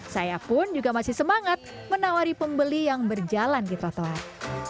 saya pun juga masih semangat menawari pembeli yang berjalan di trotoar